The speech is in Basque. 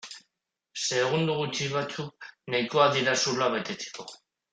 Segundo gutxi batzuk nahikoa dira zuloa betetzeko.